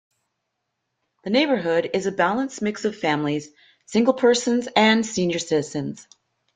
The neighborhood is a balanced mix of families, single persons, and senior citizens.